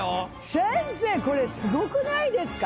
先生これすごくないですか？